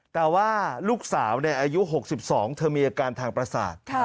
แต่ว่าลูกสาวอายุ๖๒เธอมีอาการทางประสาท